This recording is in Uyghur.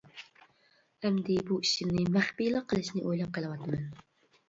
ئەمدى، بۇ ئىشىمنى مەخپىيلا قىلىشنى ئويلاپ قېلىۋاتىمەن.